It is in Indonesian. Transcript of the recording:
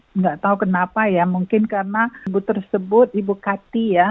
tidak tahu kenapa ya mungkin karena ibu tersebut ibu kati ya